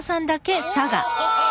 ああ！